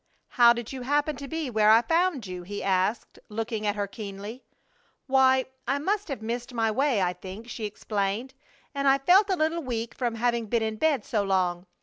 "How did you happen to be where I found you?" he asked, looking at her keenly. "Why, I must have missed my way, I think," she explained, "and I felt a little weak from having been in bed so long.